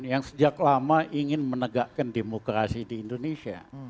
yang sejak lama ingin menegakkan demokrasi di indonesia